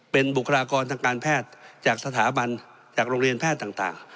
เป็นบุคลากรทางการแพทย์จากสถาบันจากโรงเรียนแพทย์ต่าง